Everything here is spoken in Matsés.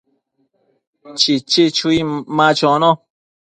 Chichi chui ma chono